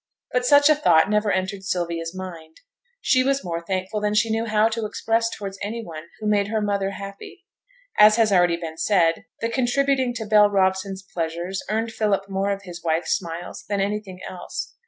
But such a thought never entered Sylvia's mind. She was more thankful than she knew how to express towards any one who made her mother happy; as has been already said, the contributing to Bell Robson's pleasures earned Philip more of his wife's smiles than anything else.